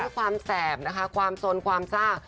ความแสบนะคะความสนความซ่า